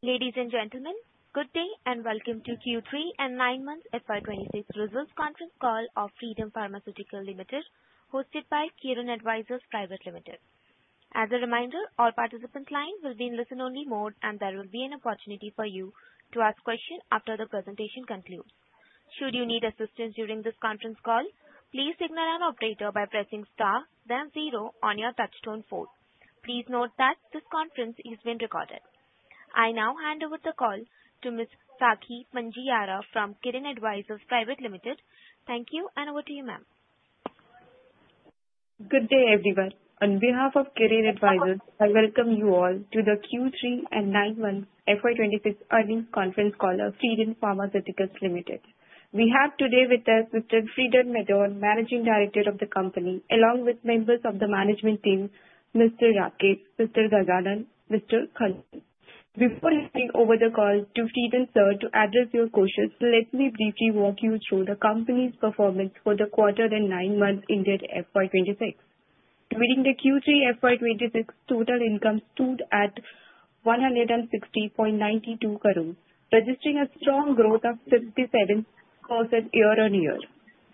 Ladies and gentlemen, good day, and welcome to Q3 and nine-month FY 2026 results conference call of Fredun Pharmaceuticals Limited, hosted by Kirin Advisors Private Limited. As a reminder, all participant lines will be in listen-only mode, and there will be an opportunity for you to ask questions after the presentation concludes. Should you need assistance during this conference call, please signal an operator by pressing star then zero on your touchtone phone. Please note that this conference is being recorded. I now hand over the call to Ms. Sakshi Panjwani from Kirin Advisors Private Limited. Thank you, and over to you, ma'am. Good day, everyone. On behalf of Kirin Advisors, I welcome you all to the Q3 and nine-month FY 2026 earnings conference call of Fredun Pharmaceuticals Limited. We have today with us Mr. Fredun Mistry, Managing Director of the company, along with members of the management team, Mr. Rakesh, Mr. Gajanan, Mr. Khan. Before handing over the call to Fredun, sir, to address your questions, let me briefly walk you through the company's performance for the quarter and nine months ended FY 2026. In the Q3 FY 2026, total income stood at 160.92 crore, registering a strong growth of 57% year-on-year.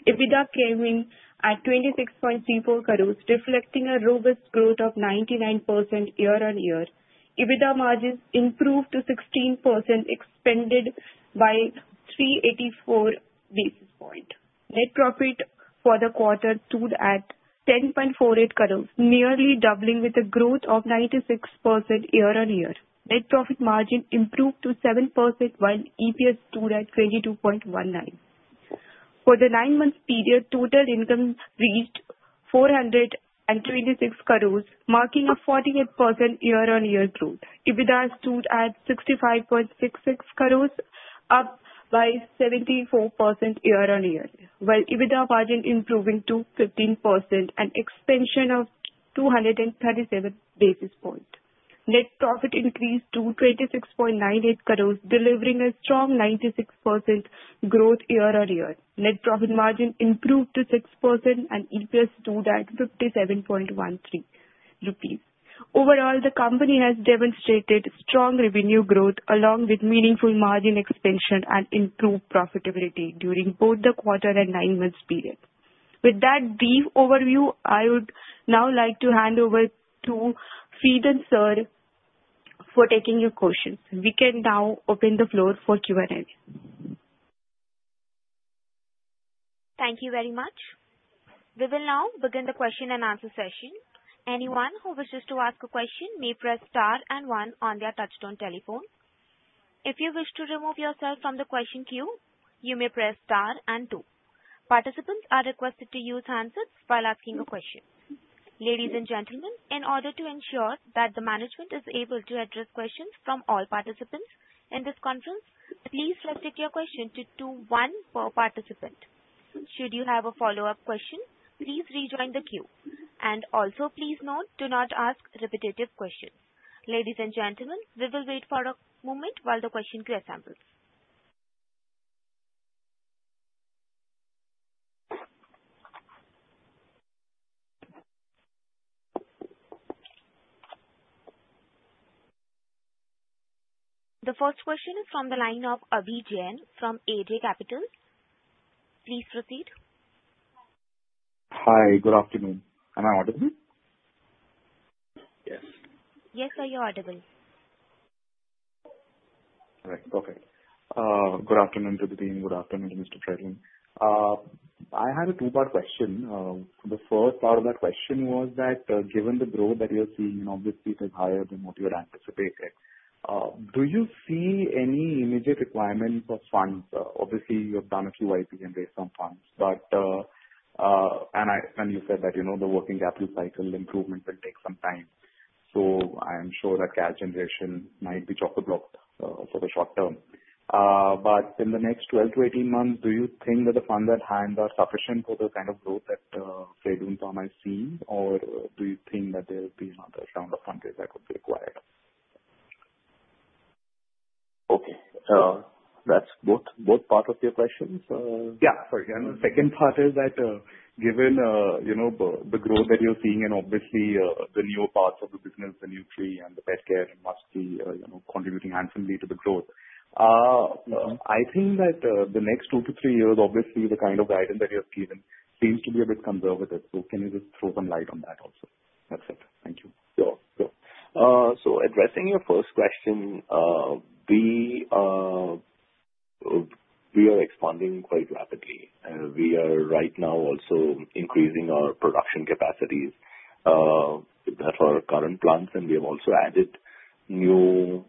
EBITDA came in at 26.34 crore, reflecting a robust growth of 99% year-on-year. EBITDA margins improved to 16%, expanded by 384 basis points. Net profit for the quarter stood at 10.48 crore, nearly doubling with a growth of 96% year-on-year. Net profit margin improved to 7%, while EPS stood at 22.19 crore. For the nine-month period, total income reached 426 crore, marking a 48% year-on-year growth. EBITDA stood at 65.66, up by 74% year-on-year, while EBITDA margin improving to 15%, an expansion of 237 basis points. Net profit increased to 26.98 crore, delivering a strong 96% growth year-on-year. Net profit margin improved to 6% and EPS stood at 57.13 crore rupees. Overall, the company has demonstrated strong revenue growth along with meaningful margin expansion and improved profitability during both the quarter and nine-month period. With that brief overview, I would now like to hand over to Fredun, sir, for taking your questions. We can now open the floor for Q&A. Thank you very much. We will now begin the question-and-answer session. Anyone who wishes to ask a question may press star and one on their touchtone telephone. If you wish to remove yourself from the question queue, you may press star and two. Participants are requested to use handsets while asking a question. Ladies and gentlemen, in order to ensure that the management is able to address questions from all participants in this conference, please restrict your question to one per participant. Should you have a follow-up question, please rejoin the queue. And also, please note, do not ask repetitive questions. Ladies and gentlemen, we will wait for a moment while the questions assemble. The first question is from the line of Abhijit from AG Capital. Please proceed. Hi, good afternoon. Am I audible? Yes Yes, sir, you're audible. Right. Okay. Good afternoon to the team. Good afternoon, Mr. Fredun. I had a two-part question. The first part of that question was that, given the growth that you're seeing, obviously it is higher than what you had anticipated. Do you see any immediate requirements for funds? Obviously, you have done a few IP and based on funds. But, and I-- and you said that, you know, the working capital cycle improvements will take some time. So I am sure that cash generation might be chock-a-blocked, for the short term. But in the next 12 months-18 months, do you think that the funds at hand are sufficient for the kind of growth that, Fredun Pharma is seeing, or do you think that there will be another round of funding that would be required? Okay. That's both, both parts of your question? Yeah. Sorry. And the second part is that, given, you know, the growth that you're seeing and obviously, the newer parts of the business, the Nutri and the pet care must be, you know, contributing handsomely to the growth. I think that, the next two to three years, obviously, the kind of guidance that you have given seems to be a bit conservative. So can you just throw some light on that also? That's it. Thank you. Sure. Sure. So addressing your first question, we are expanding quite rapidly. We are right now also increasing our production capacities at our current plants, and we have also added new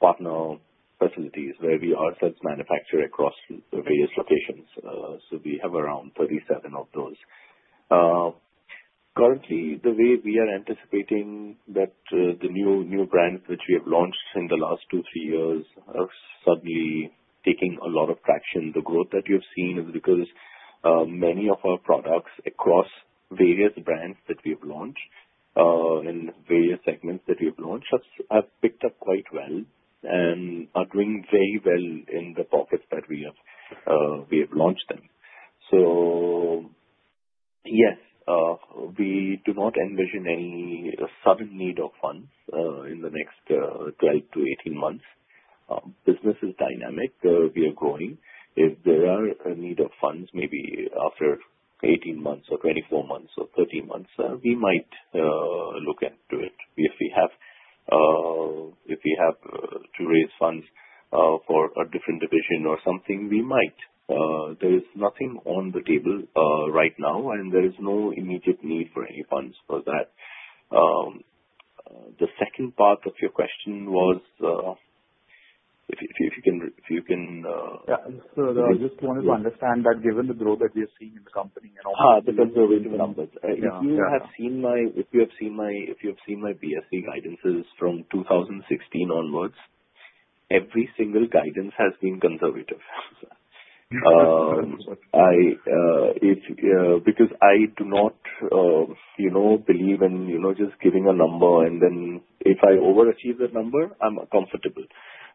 partner facilities where we also manufacture across the various locations. So we have around 37 of those. Currently, the way we are anticipating that, the new brands which we have launched in the last 2 years-3 years are suddenly taking a lot of traction. The growth that we have seen is because many of our products across various brands that we've launched in various segments that we've launched have picked up quite well and are doing very well in the pockets that we have launched them. So-... Yes, we do not envision any sudden need of funds in the next 12 months-18 months. Business is dynamic. We are growing. If there is a need of funds, maybe after 18 months or 24 months or 30 months, we might look into it. If we have to raise funds for a different division or something, we might. There is nothing on the table right now, and there is no immediate need for any funds for that. The second part of your question was, if you can. Yeah. I just wanted to understand that given the growth that we are seeing in the company and also- Ah, the conservative numbers. Yeah. If you have seen my BSE guidances from 2016 onwards, every single guidance has been conservative. Yes. Because I do not, you know, believe in, you know, just giving a number and then if I overachieve that number, I'm comfortable.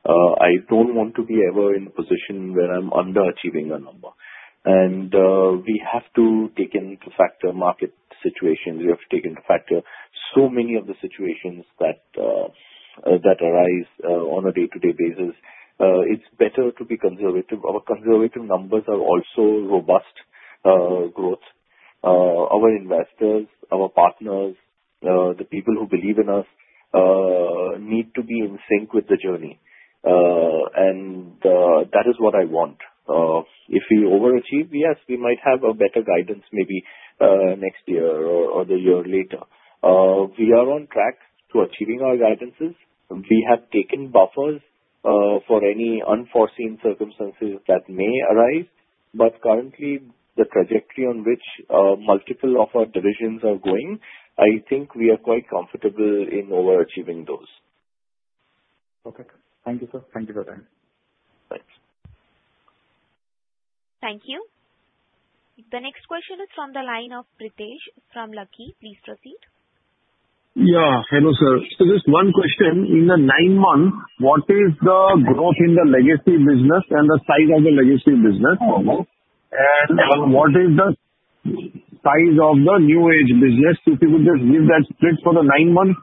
I don't want to be ever in a position where I'm underachieving a number. We have to take into factor market situations. We have to take into factor so many of the situations that arise on a day-to-day basis. It's better to be conservative. Our conservative numbers are also robust growth. Our investors, our partners, the people who believe in us need to be in sync with the journey. That is what I want. If we overachieve, yes, we might have a better guidance maybe next year or the year later. We are on track to achieving our guidances. We have taken buffers for any unforeseen circumstances that may arise, but currently, the trajectory on which multiple of our divisions are going, I think we are quite comfortable in overachieving those. Okay. Thank you, sir. Thank you for your time. Thanks. Thank you. The next question is from the line of Pritesh from Lucky. Please proceed. Yeah. Hello, sir. So just one question: In the nine months, what is the growth in the Legacy Business and the size of the Legacy Business almost? And what is the size of the New Age Business? If you could just give that split for the nine months.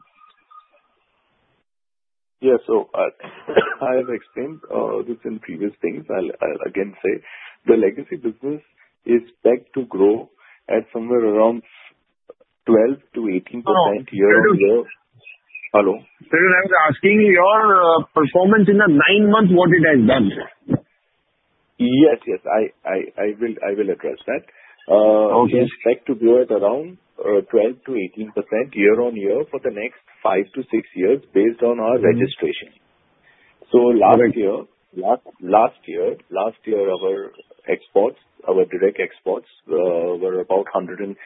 Yes. So, I have explained this in previous things. I'll again say, the legacy business is set to grow at somewhere around 12%-18% year-on-year. Oh. Hello? I'm asking your performance in the nine months, what it has done? Yes, yes. I will address that. Uh, okay. We expect to grow at around 12%-18% year-on-year for the next 5 years-6 years, based on our registration. Mm-hmm. So last year, our exports, our direct exports, were about 118-120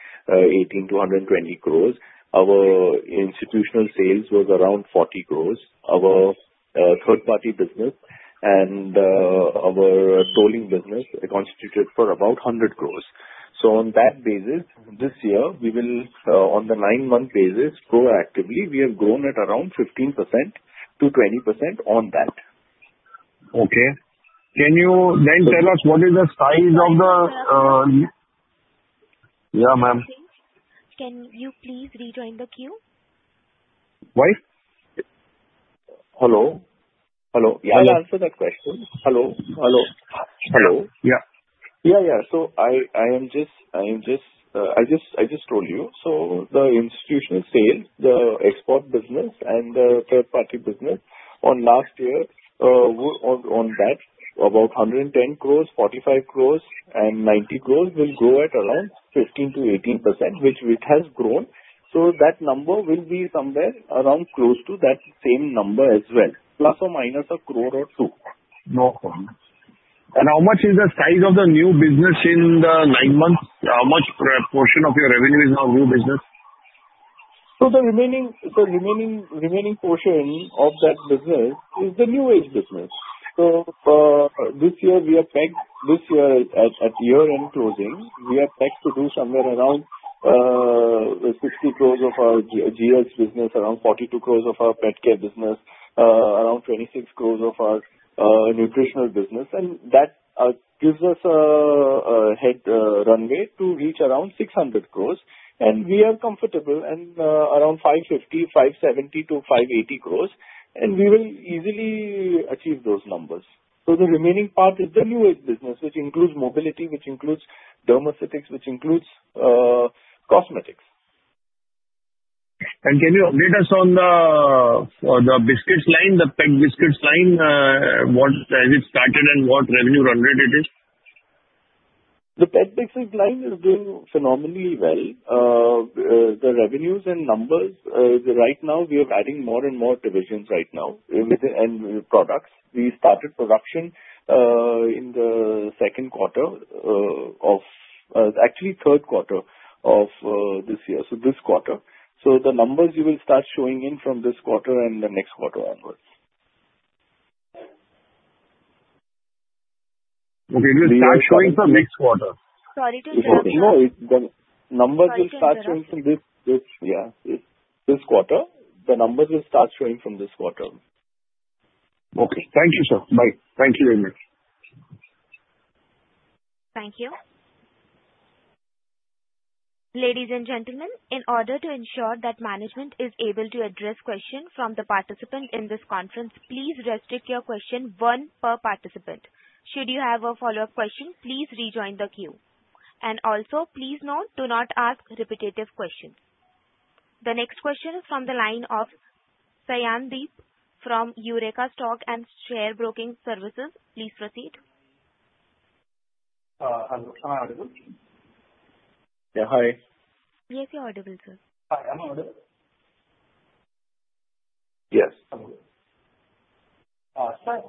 crore. Our institutional sales was around 40 crore. Our third party business and our tolling business constituted for about 100 crore. So on that basis, this year we will, on the 9-month basis, proactively, we have grown at around 15%-20% on that. Okay. Can you then tell us what is the size of the... Can I come in, sir? Yeah, ma'am. Can you please rejoin the queue? What? Hello? Hello. I'll answer that question. Hello? Hello. Hello. Yeah. Yeah, yeah. I just told you. So the institutional sales, the export business and the third party business on last year, on that, about 110 crore, 45 crore and 90 will grow at around 15%-18%, which it has grown. So that number will be somewhere around close to that same number as well, plus or minus a crore or two. No problem. How much is the size of the new business in the nine months? How much per portion of your revenue is now new business? The remaining, remaining portion of that business is the New Age business. This year, we are pegged—this year at year-end closing, we are pegged to do somewhere around 60 crore of our GH business, around 42 crore of our pet care business, around 26 crore of our nutritional business. That gives us a head runway to reach around 600 crore, and we are comfortable, and around 550-580 crore, and we will easily achieve those numbers. The remaining part is the New Age business, which includes mobility, which includes Dermaceutics, which includes cosmetics. Can you update us on the biscuits line, the pet biscuits line? Has it started and what revenue run rate it is? The pet biscuits line is doing phenomenally well. The revenues and numbers, right now we are adding more and more divisions right now and products. We started production in the second quarter, actually third quarter of this year. So this quarter. So the numbers you will start showing in from this quarter and the next quarter onwards. Okay. It will start showing from next quarter? Sorry to interrupt. No, the numbers will start showing- Sorry to interrupt. From this quarter. The numbers will start showing from this quarter.... Okay. Thank you, sir. Bye. Thank you very much. Thank you. Ladies and gentlemen, in order to ensure that management is able to address questions from the participants in this conference, please restrict your question one per participant. Should you have a follow-up question, please rejoin the queue. Also, please note, do not ask repetitive questions. The next question is from the line of Sayandip from Eureka Stock and Share Broking Services. Please proceed. Hello. Am I audible? Yeah, hi. Yes, you're audible, sir. Hi, am I audible? Yes. Sir,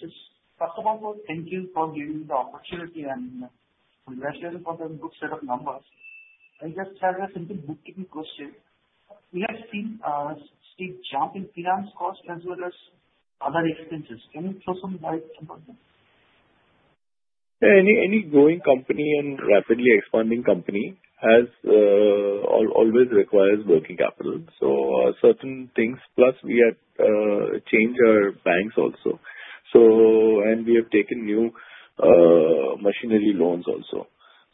just first of all, thank you for giving the opportunity and congratulations for the good set of numbers. I just have a simple bookkeeping question. We have seen, steep jump in finance costs as well as other expenses. Can you throw some light upon this? Yeah. Any growing company and rapidly expanding company has always requires working capital, so certain things. Plus we have changed our banks also. So and we have taken new machinery loans also.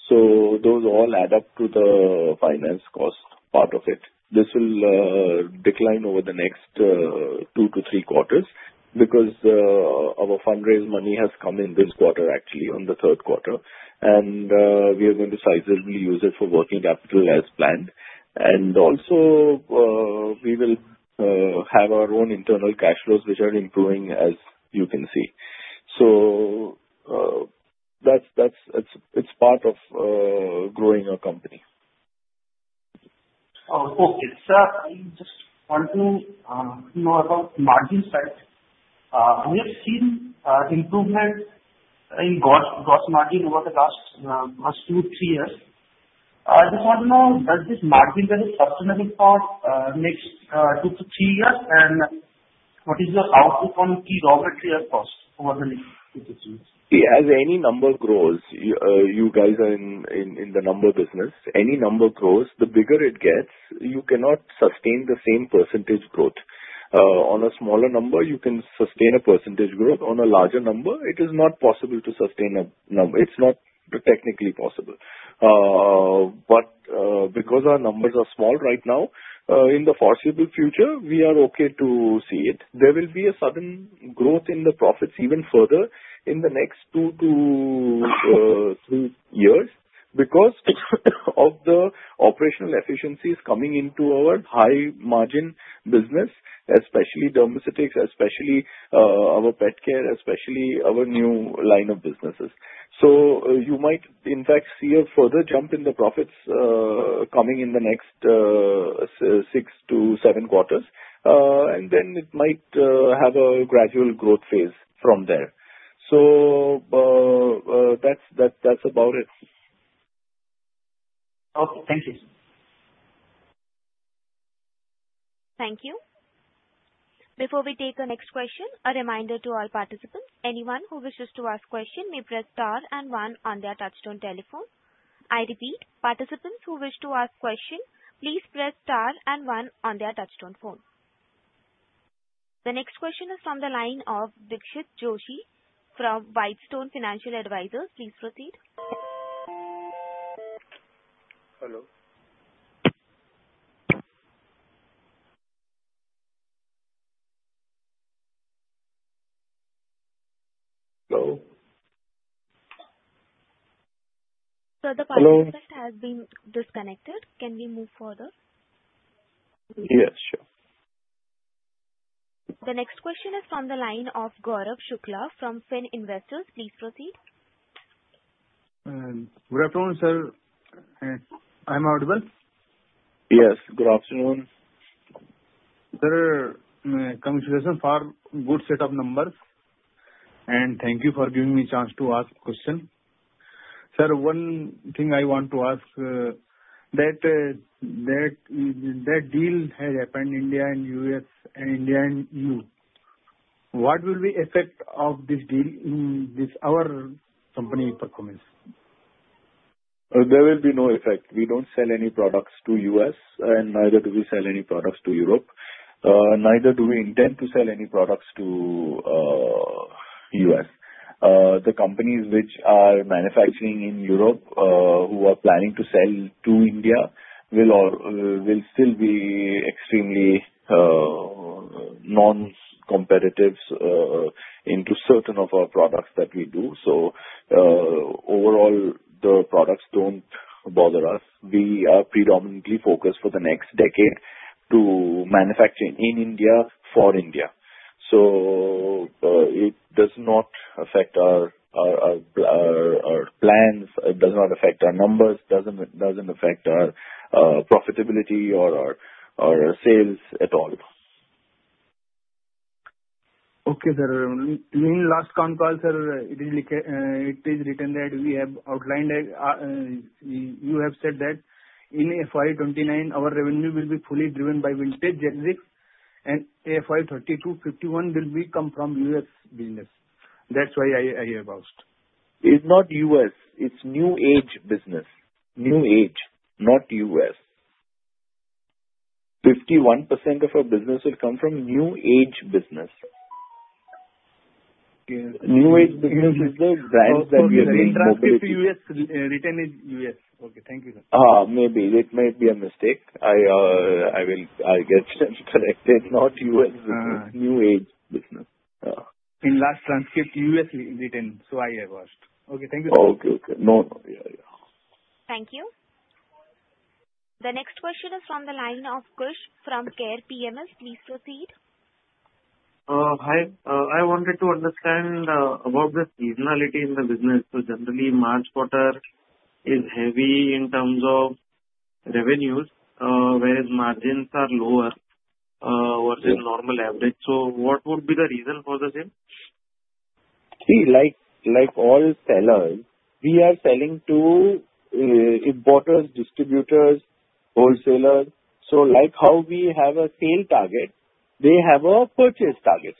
So those all add up to the finance cost part of it. This will decline over the next two to three quarters because our fundraised money has come in this quarter, actually, on the third quarter. And we are going to sizably use it for working capital as planned. And also we will have our own internal cash flows, which are improving, as you can see. So that's it. It's part of growing a company. Okay. Sir, I just want to know about margin side. We have seen improvement in gross margin over the last 2 years-3 years. I just want to know, does this margin be sustainable for next 2-3 years? And what is your outlook on key raw material costs over the next 2-3 years? As any number grows, you guys are in the number business. Any number grows, the bigger it gets, you cannot sustain the same percentage growth. On a smaller number, you can sustain a percentage growth. On a larger number, it is not possible to sustain a number. It's not technically possible. But because our numbers are small right now, in the foreseeable future, we are okay to see it. There will be a sudden growth in the profits even further in the next 2-3 years, because of the operational efficiencies coming into our high margin business, especially Dermaceutics, especially our pet care, especially our new line of businesses. So you might in fact see a further jump in the profits coming in the next 6 quarters-7 quarters. And then it might have a gradual growth phase from there. So, that's about it. Okay. Thank you. Thank you. Before we take the next question, a reminder to all participants, anyone who wishes to ask question may press star and one on their touchtone telephone. I repeat, participants who wish to ask question, please press star and one on their touchtone phone. The next question is from the line of Dikshit Joshi from Whitestone Financial Advisors. Please proceed. Hello? Hello? Sir, the participant- Hello. Has been disconnected. Can we move further? Yes, sure. The next question is from the line of Gaurav Shukla from Finvest. Please proceed. Good afternoon, sir. I'm audible? Yes. Good afternoon. Sir, congratulations for good set of numbers, and thank you for giving me a chance to ask question. Sir, one thing I want to ask, that deal has happened, India and US and India and EU. What will be effect of this deal in this, our company performance? There will be no effect. We don't sell any products to U.S., and neither do we sell any products to Europe, neither do we intend to sell any products to U.S. The companies which are manufacturing in Europe, who are planning to sell to India, will still be extremely non-competitive into certain of our products that we do. So, overall, the products don't bother us. We are predominantly focused for the next decade to manufacturing in India, for India. So, it does not affect our plans, it does not affect our numbers, doesn't affect our profitability or our sales at all. Okay, sir. In last con call, sir, it is written, it is written that we have outlined that, you, you have said that in FY 2029, our revenue will be fully driven by vintage generics, and FY 2032, 51 will be come from U.S. business. That's why I, I asked. It's not U.S., it's New Age Business. New Age, not U.S.... 51% of our business will come from New Age Business. New Age Business is the brands that we are doing mobility. Written in U.S. Okay, thank you, sir. Maybe. It might be a mistake. I will get them corrected. Not U.S. business, New Age business. In last transcript, U.S. written, so I have asked. Okay, thank you. Okay. Okay. No, no. Yeah. Yeah. Thank you. The next question is from the line of Kush from Care PMS. Please proceed. Hi. I wanted to understand about the seasonality in the business. Generally, March quarter is heavy in terms of revenues, whereas margins are lower versus normal average. What would be the reason for the same? See, like, like all sellers, we are selling to importers, distributors, wholesalers. So like how we have a sale target, they have a purchase target.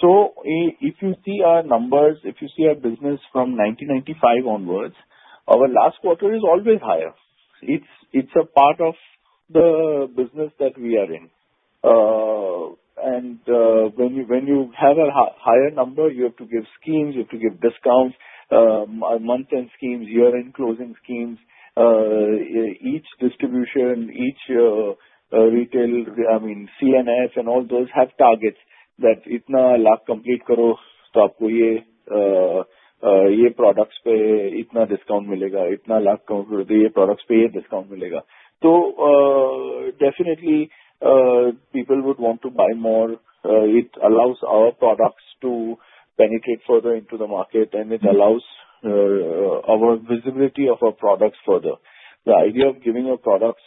So if you see our numbers, if you see our business from 1995 onwards, our last quarter is always higher. It's a part of the business that we are in. And when you have a higher number, you have to give schemes, you have to give discounts, month-end schemes, year-end closing schemes. Each distribution, each retail, I mean, CNS and all those have targets, products discount, products discount. So definitely people would want to buy more. It allows our products to penetrate further into the market, and it allows our visibility of our products further. The idea of giving our products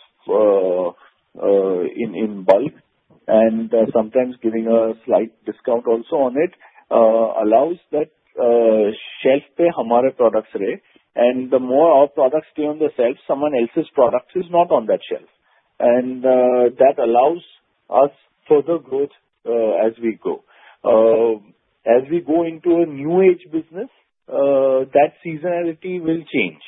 in bulk and sometimes giving a slight discount also on it allows that shelf products. And the more our products stay on the shelf, someone else's products is not on that shelf. And that allows us further growth as we go. As we go into a New Age business, that seasonality will change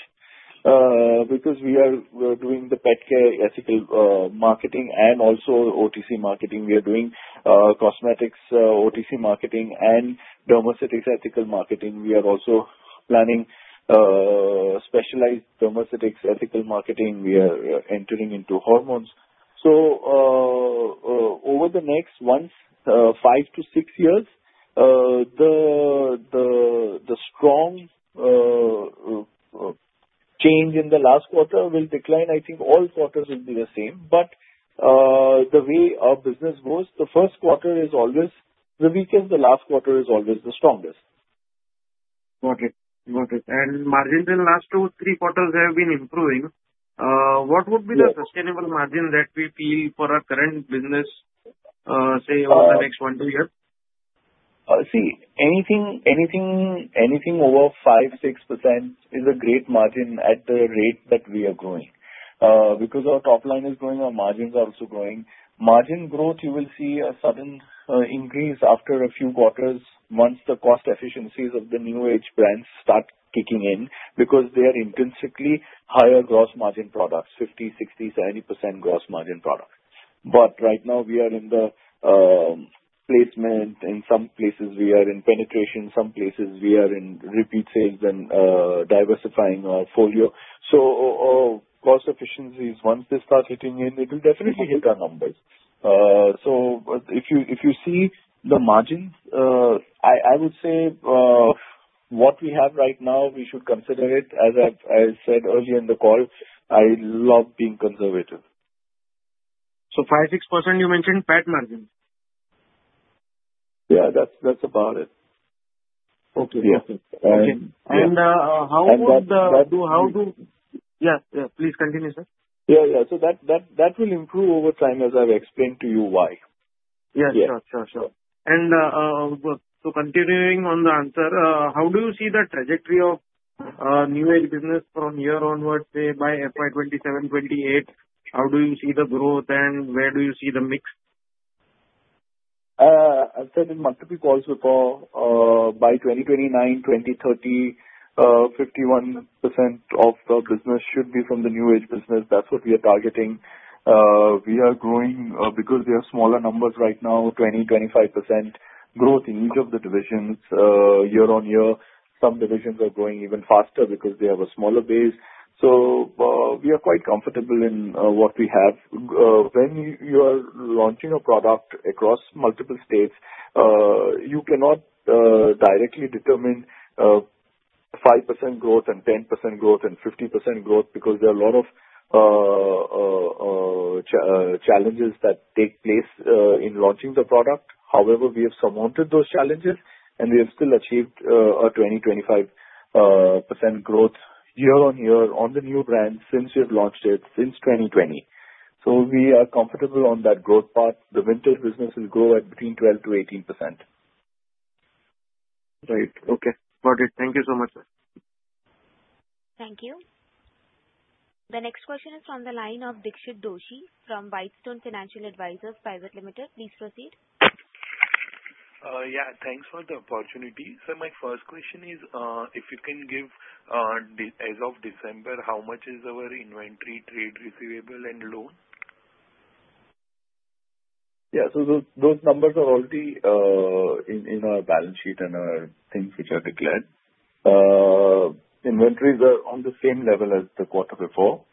because we're doing the pet care ethical marketing and also OTC marketing. We are doing cosmetics OTC marketing and Dermaceutics ethical marketing. We are also planning specialized Dermaceutics ethical marketing. We are entering into hormones. So over the next months 5 years-6 years the strong change in the last quarter will decline. I think all quarters will be the same. The way our business goes, the first quarter is always the weakest, the last quarter is always the strongest. Got it. Got it. Margins in last 2, 3 quarters have been improving. What would- Yeah. be the sustainable margin that we feel for our current business, say, Uh- Over the next one to two years? See, anything, anything, anything over 5%-6% is a great margin at the rate that we are growing. Because our top line is growing, our margins are also growing. Margin growth, you will see a sudden increase after a few quarters, once the cost efficiencies of the New Age brands start kicking in, because they are intrinsically higher gross margin products, 50%, 60%, 70% gross margin products. But right now we are in the placement, in some places we are in penetration, some places we are in repeat sales and diversifying our portfolio. So over cost efficiencies, once they start hitting in, it will definitely hit our numbers. So but if you, if you see the margins, I, I would say, what we have right now, we should consider it. As I said earlier in the call, I love being conservative. So 5%-6% you mentioned PAT margins? Yeah, that's, that's about it. Okay. Yeah. Okay. And- How would And that. Yeah, yeah, please continue, sir. Yeah, yeah. So that will improve over time, as I've explained to you why. Yes. Yeah. Sure, sure, sure. And, so continuing on the answer, how do you see the trajectory of New Age Business from here onwards, say, by FY 2027, 2028? How do you see the growth, and where do you see the mix? I've said in multiple calls before, by 2029-2030, 51% of the business should be from the New Age business. That's what we are targeting. We are growing, because we are smaller numbers right now, 20%-25% growth in each of the divisions. Year-on-year, some divisions are growing even faster because they have a smaller base. We are quite comfortable in what we have. When you are launching a product across multiple states, you cannot directly determine 5% growth and 10% growth and 50% growth, because there are a lot of challenges that take place in launching the product. However, we have surmounted those challenges, and we have still achieved a 25% growth year-on-year on the new brand since we've launched it, since 2020. So we are comfortable on that growth path. The vintage business will grow at between 12%-18%. Right. Okay, got it. Thank you so much, sir. Thank you. The next question is from the line of Dixit Doshi from Whitestone Financial Advisors Private Limited. Please proceed. Yeah, thanks for the opportunity. So my first question is, if you can give the as of December, how much is our inventory, trade receivable and loan? Yeah. So those, those numbers are already in our balance sheet and things which are declared. Inventories are on the same level as the quarter before,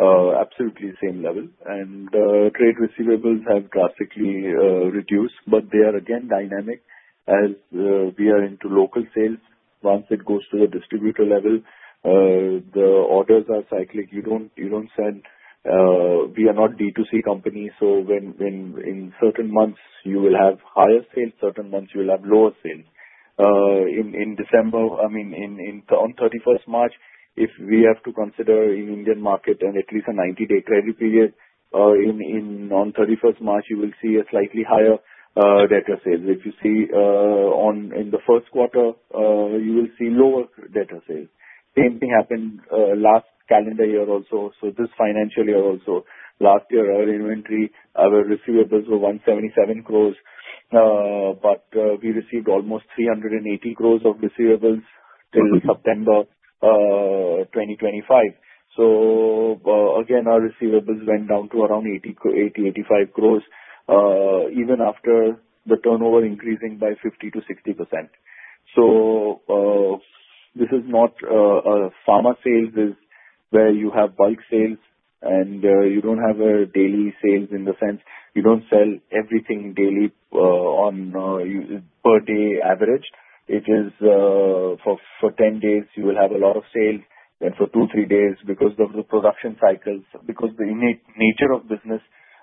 absolutely the same level. And trade receivables have drastically reduced, but they are again dynamic as we are into local sales. Once it goes to the distributor level, the orders are cyclic. You don't, you don't sell, we are not D2C company, so when in certain months you will have higher sales, certain months you will have lower sales. In December, I mean, on 31st March, if we have to consider in Indian market and at least a 90-day credit period, on 31st March, you will see a slightly higher debtor sales. If you see, on, in the first quarter, you will see lower debtor sales. Same thing happened, last calendar year also. So this financial year also. Last year, our inventory, our receivables were 177 crore. But, we received almost 380 crore of receivables till September 2025. So, again, our receivables went down to around 80-85 crore, even after the turnover increasing by 50%-60%. So, this is not, pharma sales is where you have bulk sales and, you don't have a daily sales. In the sense, you don't sell everything daily, on, per day average. It is for 10 days you will have a lot of sales, then for 2 days-3 days because of the production cycles, because the unique nature of business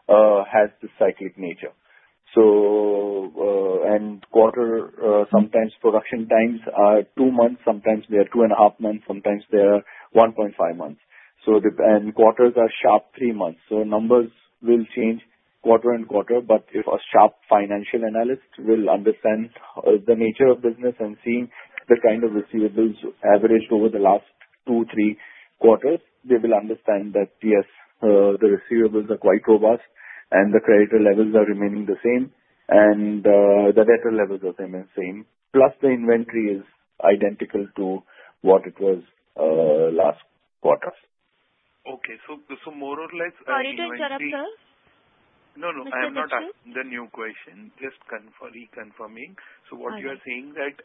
has this cyclic nature. So, a quarter, sometimes production times are 2 months, sometimes they are 2.5 months, sometimes they are 1.5 months. So the quarters are sharp 3 months, so numbers will change quarter and quarter. But if a sharp financial analyst will understand the nature of business and see the kind of receivables averaged over the last 2 quarters-3 quarters, they will understand that, yes, the receivables are quite robust and the credit levels are remaining the same, and the debtor levels are remain same, plus the inventory is identical to what it was last quarter. Okay. So, more or less- Sorry to interrupt, sir. No, no, I am not- Mr. Mithu. The new question, just reconfirming. All right. So what you are saying that,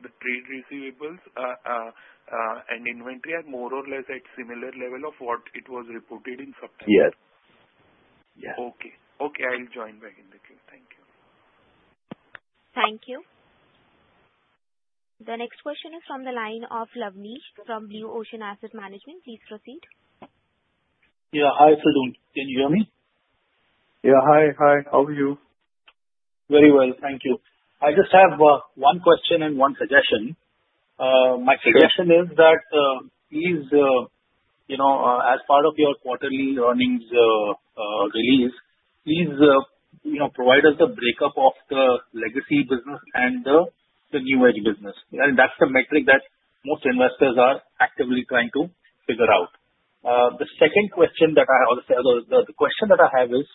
the trade receivables are, and inventory are more or less at similar level of what it was reported in September? Yes. Yes. Okay. Okay, I'll join back in the queue. Thank you. Thank you. The next question is from the line of Lavnish from New Ocean Asset Management. Please proceed. Yeah, hi, Medhora. Can you hear me? Yeah. Hi, hi. How are you? Very well, thank you. I just have one question and one suggestion. Okay. My suggestion is that, please, you know, as part of your quarterly earnings release, please, you know, provide us the breakup of the legacy business and the, the New Age Business. And that's the metric that most investors are actively trying to figure out. The second question that I also have, the, the question that I have is,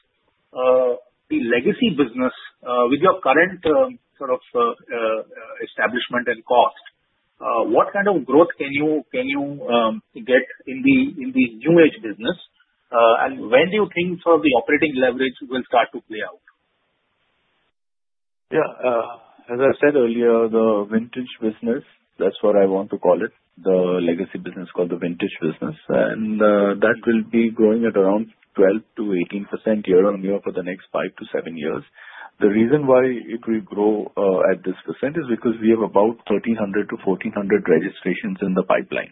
the legacy business, with your current, sort of, establishment and cost, what kind of growth can you, can you, get in the, in the New Age Business? And when do you think some of the operating leverage will start to play out? Yeah. As I said earlier, the vintage business, that's what I want to call it, the legacy business, called the vintage business. Uh-hmm. That will be growing at around 12%-18% year-on-year for the next 5 years-7 years. The reason why it will grow at this percent is because we have about 1,300-1,400 registrations in the pipeline.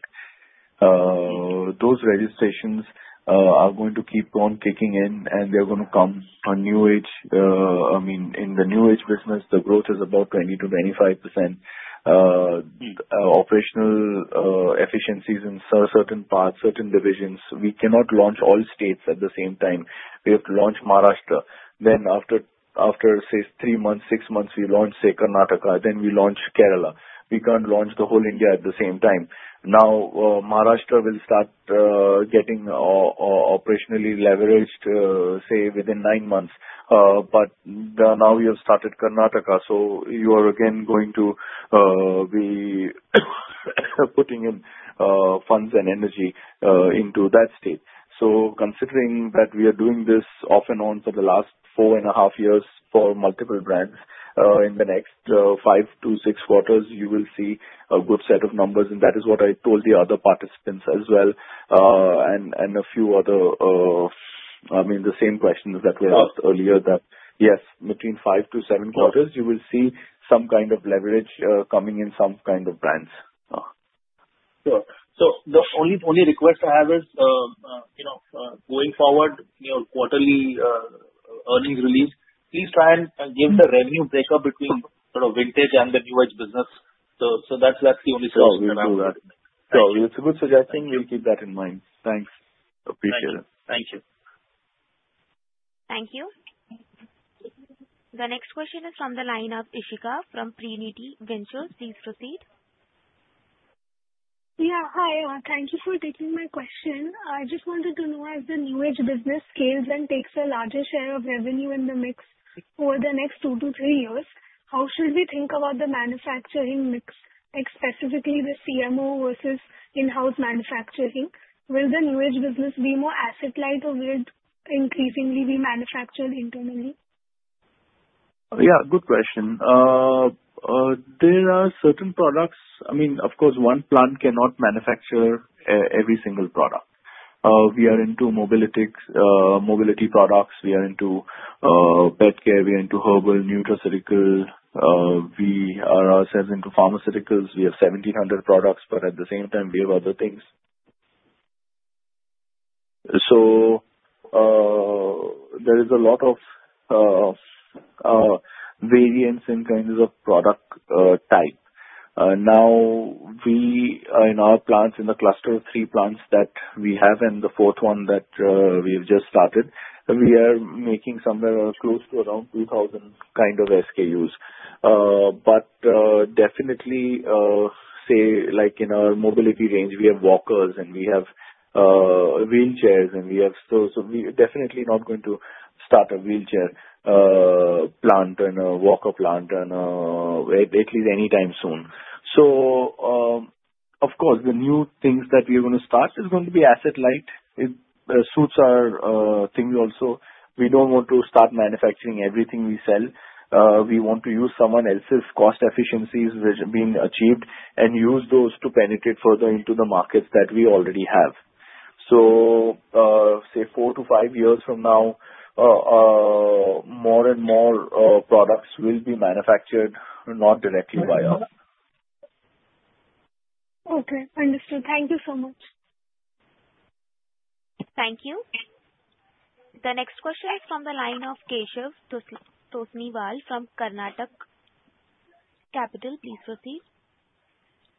Those registrations are going to keep on kicking in, and they're gonna come on New Age. I mean, in the New Age business, the growth is about 20%-25%. Mm. Operational efficiencies in certain parts, certain divisions. We cannot launch all states at the same time. We have to launch Maharashtra. Mm. Then after, say, 3 months, 6 months, we launch, say, Karnataka, then we launch Kerala. We can't launch the whole India at the same time. Now, Maharashtra will start getting operationally leveraged, say, within 9 months. But, now we have started Karnataka, so you are again going to be putting in funds and energy into that state. So considering that we are doing this off and on for the last 4.5 years for multiple brands, in the next 5 quarters-6 quarters, you will see a good set of numbers, and that is what I told the other participants as well. Uh-hmm. And a few other... I mean, the same questions that were- Yeah asked earlier, that, yes, between 5-7 quarters Yeah -you will see some kind of leverage, coming in some kind of brands. Sure. So the only request I have is, you know, going forward, you know, quarterly earnings release, please try and- Mm-hmm. Give the revenue breakup between sort of Vintage and the New Age business. So, so that's, that's the only suggestion I have. Sure, we'll do that. Thank you. Sure, it's a good suggestion. We'll keep that in mind. Thanks. Appreciate it. Thank you. Thank you. The next question is from the line of Ishika from Priniti Ventures. Please proceed. Yeah. Hi, thank you for taking my question. I just wanted to know as the New Age business scales and takes a larger share of revenue in the mix over the next 2 years-3 years, how should we think about the manufacturing mix, like specifically the CMO versus in-house manufacturing? Will the New Age business be more asset light, or will it increasingly be manufactured internally? Yeah, good question. There are certain products—I mean, of course, one plant cannot manufacture every single product. We are into Mobilitics, mobility products. We are into pet care. We are into herbal nutraceutical. We are ourselves into pharmaceuticals. We have 1,700 products, but at the same time, we have other things. So, there is a lot of variance in kinds of product type. Now we are in our plants, in the cluster of three plants that we have, and the fourth one that we've just started. We are making somewhere close to around 2,000 kind of SKUs. But, definitely, say like in our mobility range, we have walkers and we have wheelchairs, and we have... So, we are definitely not going to start a wheelchair plant and a walker plant, at least anytime soon. So, of course, the new things that we are going to start is going to be asset light. It suits our thing also. We don't want to start manufacturing everything we sell. We want to use someone else's cost efficiencies which have been achieved and use those to penetrate further into the markets that we already have. So, say 4 years-5 years from now, more and more products will be manufactured, not directly by us. Okay, understood. Thank you so much. Thank you. The next question is from the line of Keshav Tosniwal from Kanakia Capital. Please proceed.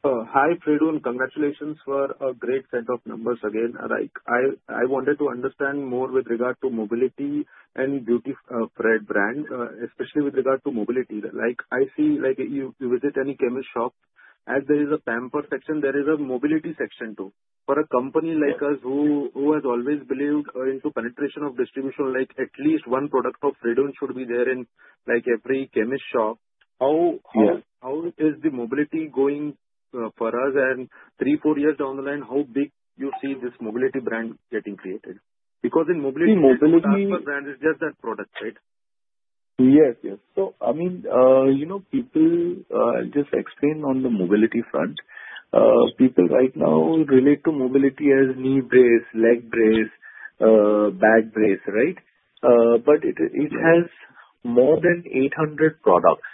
Hi, Fredun. Congratulations for a great set of numbers again. Like I wanted to understand more with regard to mobility and beauty brand, especially with regard to mobility. Like I see, like you visit any chemist shop, as there is a pamper section, there is a mobility section, too. For a company like us who has always believed into penetration of distribution, like at least one product of Fredun should be there in, like, every chemist shop. How- Yes. How is the mobility going for us? And three, four years down the line, how big you see this mobility brand getting created? Because in mobility- In mobility- Brand is just that product, right? Yes, yes. So I mean, you know, people... I'll just explain on the mobility front. People right now relate to mobility as knee brace, leg brace, back brace, right? But it has more than 800 products.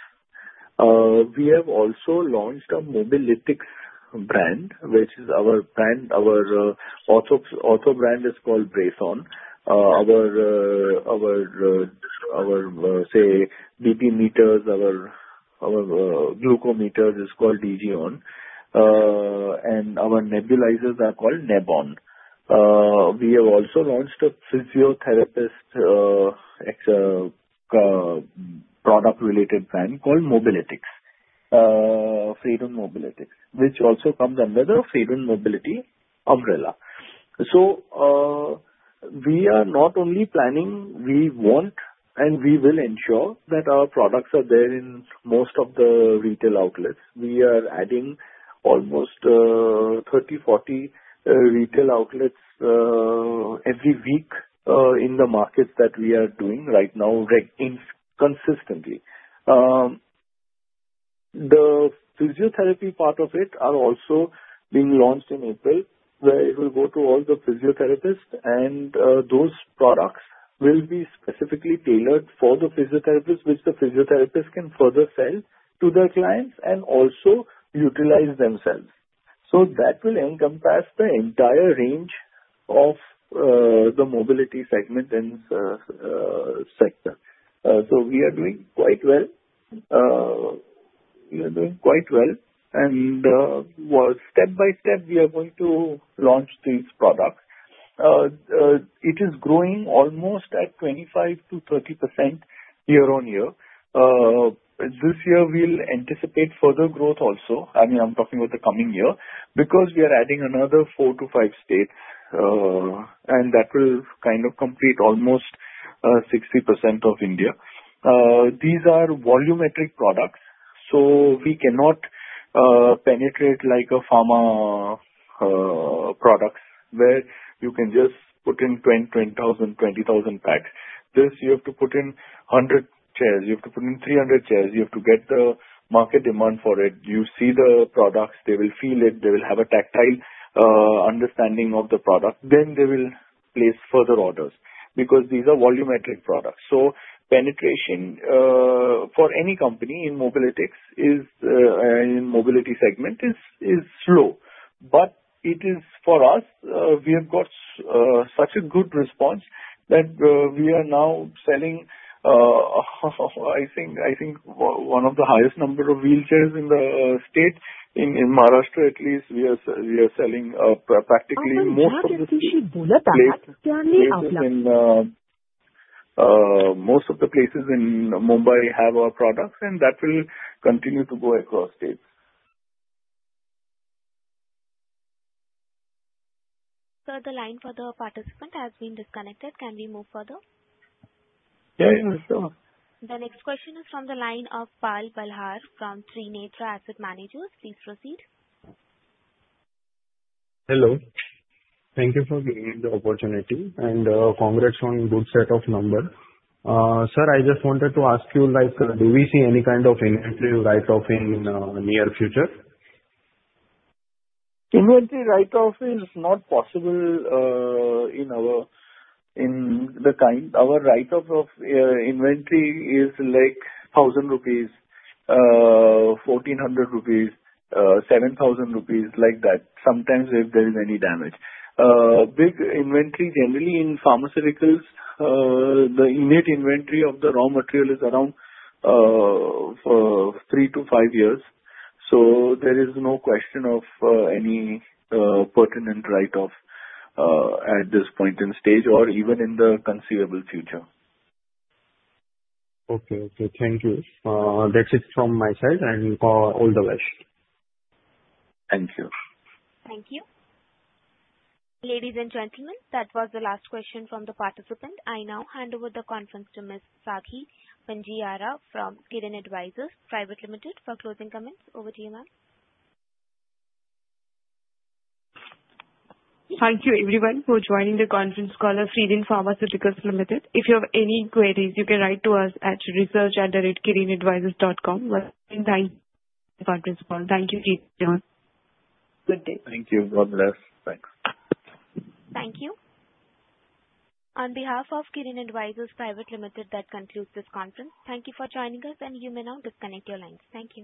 We have also launched a Mobilitics brand, which is our brand. Our ortho brand is called Brace On. Our BP meters, our glucometers is called Kegene, and our nebulizers are called Neb On. We have also launched a physiotherapist product-related brand called Mobilitics, Fredun Mobilitics, which also comes under the Fredun Mobility umbrella. So, we are not only planning, we want, and we will ensure that our products are there in most of the retail outlets. We are adding almost 30-40 retail outlets every week in the markets that we are doing right now, like consistently. The physiotherapy part of it are also being launched in April, where it will go to all the physiotherapists, and those products will be specifically tailored for the physiotherapists, which the physiotherapists can further sell to their clients and also utilize themselves. So that will encompass the entire range of the mobility segment and sector. So we are doing quite well. We are doing quite well, and well, step by step, we are going to launch these products. It is growing almost at 25%-30% year-on-year. This year we'll anticipate further growth also. I mean, I'm talking about the coming year, because we are adding another 4-5 states, and that will kind of complete almost 60% of India. These are volumetric products, so we cannot penetrate like a pharma products, where you can just put in 20,000, 20,000 packs. This, you have to put in 100 chairs, you have to put in 300 chairs. You have to get the market demand for it. You see the products, they will feel it. They will have a tactile understanding of the product. Then they will place further orders, because these are volumetric products. So penetration for any company in Mobilitics is, and in mobility segment is slow. But it is for us, we have got such a good response that we are now selling, I think, I think one of the highest number of wheelchairs in the state. In Maharashtra, at least, we are selling practically most of the places in Mumbai have our products, and that will continue to go across states. Sir, the line for the participant has been disconnected. Can we move further? Yeah, yeah, sure. The next question is from the line of Pal Balar from Trinetra Asset Managers. Please proceed. Hello. Thank you for giving me the opportunity, and congrats on good set of numbers. Sir, I just wanted to ask you, like, do we see any kind of inventory write-off in near future? Inventory write-off is not possible in our. Our write-off of inventory is, like, 1,000 rupees, 1,400 rupees, 7,000 rupees, like that, sometimes if there is any damage. Big inventory, generally in pharmaceuticals, the unit inventory of the raw material is around 3-5 years, so there is no question of any pertinent write-off at this point in stage or even in the conceivable future. Okay. Okay, thank you. That's it from my side, and all the best. Thank you. Thank you. Ladies and gentlemen, that was the last question from the participant. I now hand over the conference to Miss Sakshi Panjwani from Kirin Advisors Private Limited for closing comments. Over to you, ma'am. Thank you everyone for joining the conference call of Fredun Pharmaceuticals Limited. If you have any queries, you can write to us at research@kirinadvisors.com, and thanks for the conference call. Thank you, Keith John. Good day. Thank you. God bless. Thanks. Thank you. On behalf of Kirin Advisors Private Limited, that concludes this conference. Thank you for joining us, and you may now disconnect your lines. Thank you.